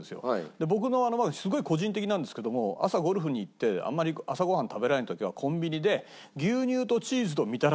僕のすごい個人的なんですけども朝ゴルフに行ってあんまり朝ご飯食べられない時はコンビニで牛乳とチーズとみたらし団子なのよ。